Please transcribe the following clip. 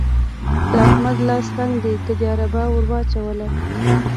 د احمد لاس تنګ دی؛ که دې اربه ور وچلوله.